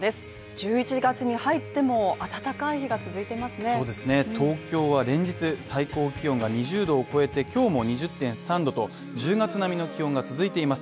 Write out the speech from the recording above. １１月に入っても暖かい日が続いてますね東京は連日最高気温が２０℃を超えて今日も２０．３℃と１０月並みの気温が続いています。